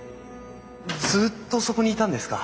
ずっとそこにいたんですか？